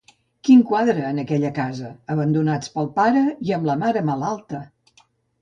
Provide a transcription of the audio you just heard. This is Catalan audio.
Quin quadre, en aquella casa: abandonats pel pare i amb la mare malalta!